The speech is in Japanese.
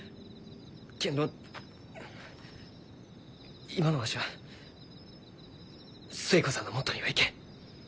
けんど今のわしは寿恵子さんのもとには行けん。